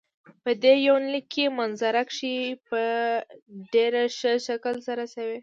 په دې يونليک کې منظره کشي په ډېر ښه شکل سره شوي.